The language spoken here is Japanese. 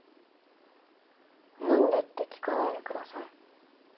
なんでって聞かないで下さい。